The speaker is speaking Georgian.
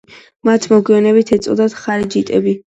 მათ მოგვიანებით ეწოდათ ხარიჯიტები.